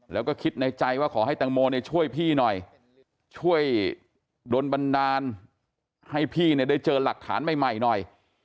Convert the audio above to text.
แล้วก็คิดในใจว่าขอให้แตงโมช่วยพี่หน่อยช่วยโดนบันดาลให้พี่เนี่ยได้เจอหลักฐานใหม่หน่อย